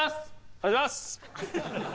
お願いします！